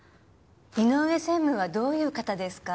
井上専務はどういう方ですか？